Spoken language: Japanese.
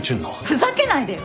ふざけないでよ！